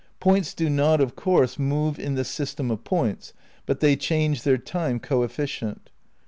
Points do not of course move in the system of points, but they change their time coefficient.